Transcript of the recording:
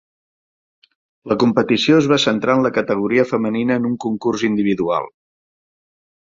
La competició es va centrar en la categoria femenina en un concurs individual.